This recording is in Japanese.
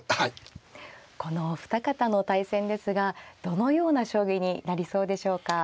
このお二方の対戦ですがどのような将棋になりそうでしょうか。